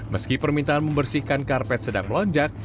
meski permintaan membersihkan karpet sedang melonjak